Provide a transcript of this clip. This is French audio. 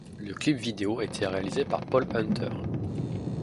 Le clip vidéo a été réalisé par Paul Hunter.